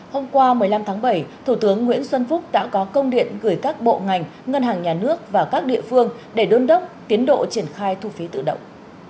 hôm qua một mươi năm tháng bảy thủ tướng nguyễn xuân phúc đã có công điện gửi các bộ ngành ngân hàng nhà nước và các địa phương để đôn đốc tiến độ triển khai thu phí tự động